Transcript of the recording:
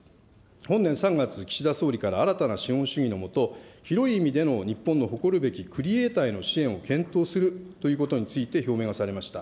本年３月、岸田総理から新たな資本主義の下、広い意味での日本が誇るべきクリエーターへの支援を検討するということについて表明がされました。